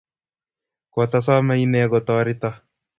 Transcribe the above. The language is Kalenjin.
kot asome inee kotoreto